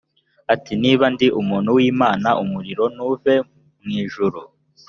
ati niba ndi umuntu w imana umuriro nuve mu ijuru